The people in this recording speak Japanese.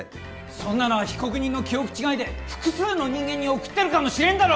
そんなのは被告人の記憶違いで複数の人間に送ってるかもしれんだろ？